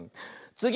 つぎ！